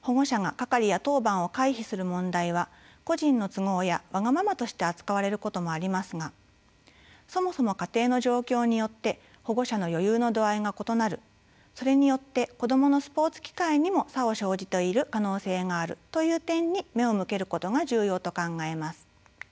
保護者が係や当番を回避する問題は個人の都合やワガママとして扱われることもありますがそもそも家庭の状況によって保護者の余裕の度合いが異なるそれによって子どものスポーツ機会にも差を生じている可能性があるという点に目を向けることが重要と考えます。